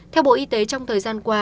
theo bộ y tế trong thời gian qua